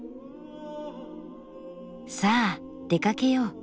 さあ出かけよう。